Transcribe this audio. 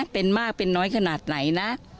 เป็นมากเป็นน้อยขนาดไหนนะ